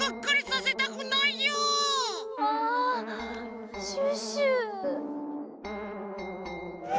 あシュッシュ。